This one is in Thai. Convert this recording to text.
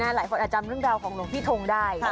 หลายคนอาจจำเรื่องราวของหลวงพี่ทงได้